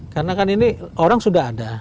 karena kan ini orang sudah ada